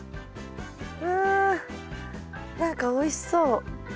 わ何かおいしそう。